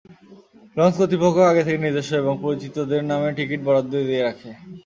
Launch কর্তৃপক্ষ আগে থেকে নিজস্ব এবং পরিচিতদের নামে টিকিট বরাদ্দ দিয়ে রাখে।